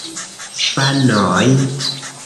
Fanoj!